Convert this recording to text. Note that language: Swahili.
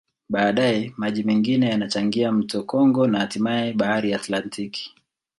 Baadaye, maji mengine yanachangia mto Kongo na hatimaye Bahari ya Atlantiki.